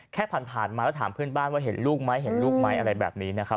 แค่ผ่านมาแล้วถามเพื่อนบ้านว่าเห็นลูกไหมอะไรแบบนี้นะครับ